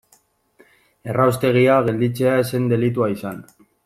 Erraustegia gelditzea ez zen delitua izan.